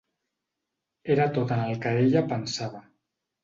Era tot en el que ella pensava.